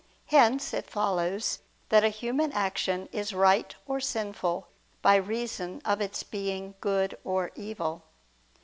Hence it follows that a human action is right or sinful by reason of its being good or evil.